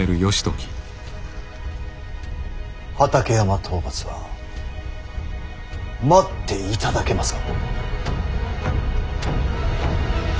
畠山討伐は待っていただけますか。